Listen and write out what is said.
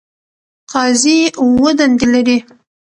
قاضی اووه دندې لري.